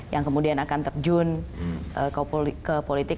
yang kemudian akan terjun ke politik